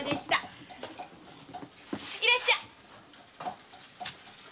いらっしゃい。